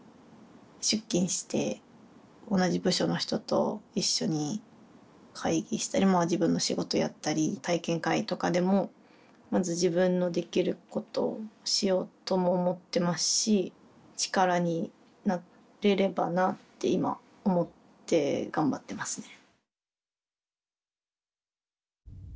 出勤して同じ部署の人と一緒に会議したりまあ自分の仕事やったり体験会とかでもまず自分のできることをしようとも思ってますし力になってればなぁて今思って頑張ってますね。